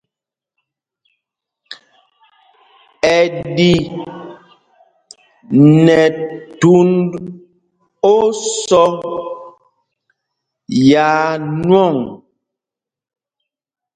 Ɛ di nɛ thūnd ósɔ́ yaa nwɔŋ.